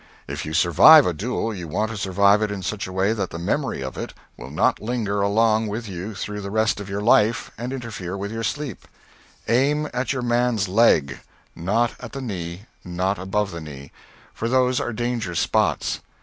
If you survive a duel you want to survive it in such a way that the memory of it will not linger along with you through the rest of your life and interfere with your sleep. Aim at your man's leg; not at the knee, not above the knee; for those are dangerous spots.